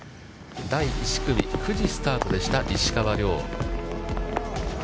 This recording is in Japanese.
第１組、９時スタートでした、石川遼。